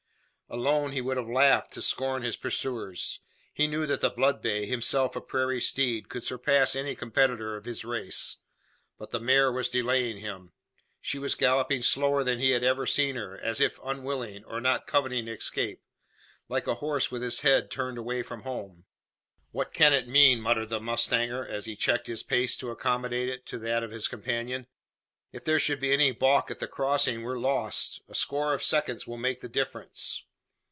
Alone he would have laughed to scorn his pursuers. He knew that the blood bay himself a prairie steed could surpass any competitor of his race. But the mare was delaying him. She was galloping slower than he had ever seen her as if unwilling, or not coveting escape like a horse with his head turned away from home! "What can it mean?" muttered the mustanger, as he checked his pace, to accommodate it to that of his companion. "If there should be any baulk at the crossing, we're lost! A score of seconds will make the difference."